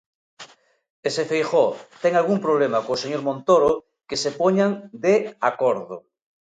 E se Feijóo "ten algún problema co señor Montoro, que se poñan de acordo".